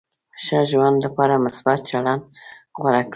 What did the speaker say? ښه ژوند لپاره مثبت چلند غوره کړئ.